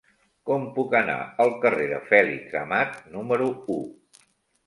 Com puc anar al carrer de Fèlix Amat número u?